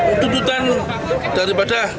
untuk dutan daripada